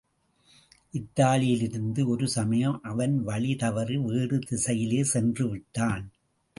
இத்தாலியிலிருந்து ஒரு சமயம் அவன் வழி தவறி, வேறு திசையிலே சென்று விட்டான்.